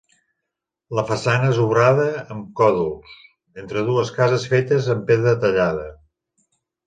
La façana és obrada amb còdols, entre dues cases fetes amb pedra tallada.